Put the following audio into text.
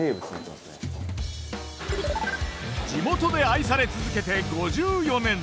地元で愛され続けて５４年。